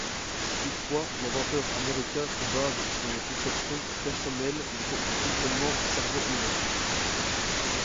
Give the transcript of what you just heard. Toutefois, l'inventeur américain se base sur une conception personnelle du fonctionnement du cerveau humain.